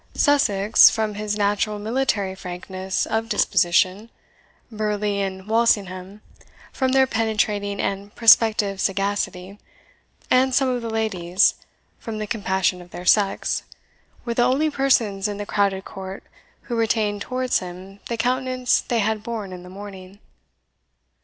Sussex, from his natural military frankness of disposition, Burleigh and Walsingham, from their penetrating and prospective sagacity, and some of the ladies, from the compassion of their sex, were the only persons in the crowded court who retained towards him the countenance they had borne in the morning.